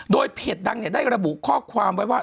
โดยเพจดังได้ระบุข้อความไว้ว่า